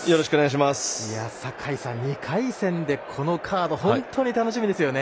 坂井さん、２回戦でこのカード本当に楽しみですよね。